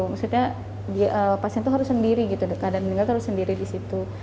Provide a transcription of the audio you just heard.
maksudnya pasien itu harus sendiri gitu dekat dan meninggalkan harus sendiri di situ